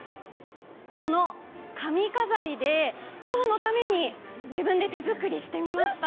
この髪飾りで、今日のために自分で手作りしてみました。